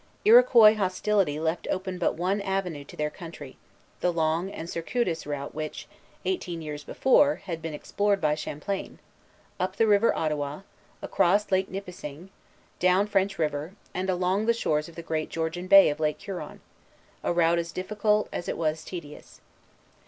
Iroquois hostility left open but one avenue to their country, the long and circuitous route which, eighteen years before, had been explored by Champlain, up the river Ottawa, across Lake Nipissing, down French River, and along the shores of the great Georgian Bay of Lake Huron, a route as difficult as it was tedious.